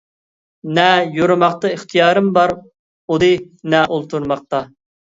نە يورۇماقتا ئىختىيارىم بار ئۇدى، نە ئولتۇرماقتا.